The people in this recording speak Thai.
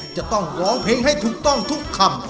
จะต้องร้องเพลงให้ถูกต้องทุกคำ